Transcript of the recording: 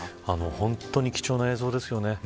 本当に貴重な映像ですよね。